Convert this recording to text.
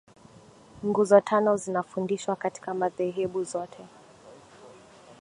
nguzo tano zinafundishwa katika madhehebu zote